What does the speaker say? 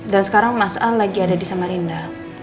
dan sekarang mas al lagi ada di samarinda